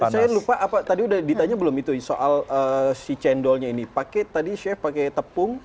saya lupa apa tadi udah ditanya belum itu soal si cendolnya ini pakai tadi chef pakai tepung